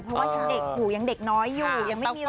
เพราะว่ายังเด็กหูยังเด็กน้อยอยู่ยังไม่มีรอย